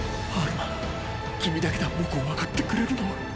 アルマ君だけだ僕をわかってくれるのは。